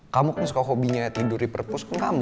kamu kan suka hobinya tidur di perpus pun kamu